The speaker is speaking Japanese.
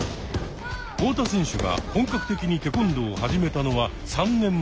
太田選手が本格的にテコンドーを始めたのは３年前。